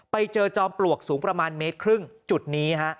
จอมปลวกสูงประมาณเมตรครึ่งจุดนี้ฮะ